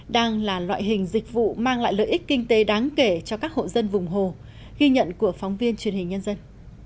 đang là loại hình dịch vụ mang lại lợi ích kinh tế đáng kể cho các hộ dân vùng hồ ghi nhận của phóng viên truyền hình nhân dân